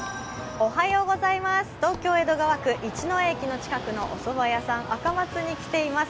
東京・江戸川区一之江駅近くのおそば屋さん、あかまつに来ています。